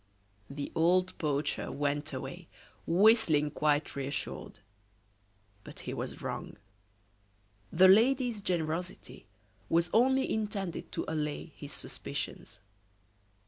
The old poacher went away, whistling quite reassured; but he was wrong. The lady's generosity was only intended to allay his suspicions.